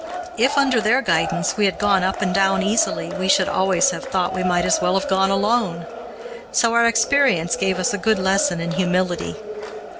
If, under their guidance, we had gone up and down easily, we should always have thought we might as well have gone alone. So our experience gave us a good lesson in humility.